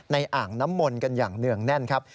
อ่างน้ำมนต์กันอย่างเนื่องแน่นครับ